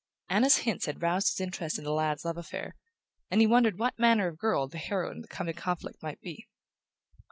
Anna's hints had roused his interest in the lad's love affair, and he wondered what manner of girl the heroine of the coming conflict might be.